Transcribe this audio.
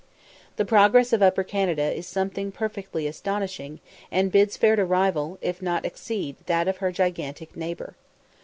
The progress of Upper Canada is something perfectly astonishing, and bids fair to rival, if not exceed, that of her gigantic neighbour.